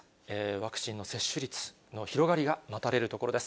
ワクチンの接種率の広がりが待たれるところです。